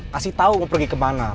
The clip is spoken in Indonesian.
kasih tahu mau pergi kemana